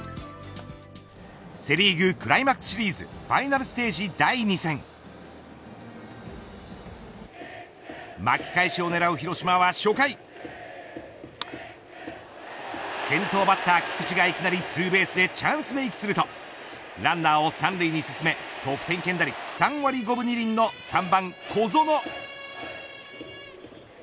セ・リーグクライマックスシリーズファイナルステージ第２戦巻き返しを狙う広島は初回先頭バッター菊池がいきなりツーベースでチャンスメークするとランナーを３塁に進め得点圏打率３割５分２厘の３番小園。